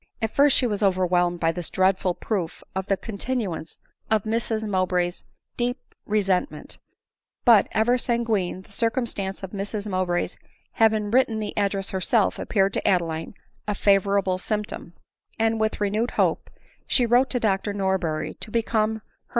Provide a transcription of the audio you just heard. At first she was overwhelmed by this dreadful proof of the continuance of Mrs Mowbray's deep resentment ; but, ever sanguine, the circumstance of Mr£ Mowbray's having written the address herself appeared to Adeline a favorable symptom; and with renewed hope she wrote to Dr Norberry to become her.